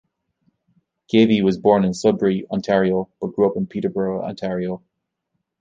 Gavey was born in Sudbury, Ontario, but grew up in Peterborough, Ontario.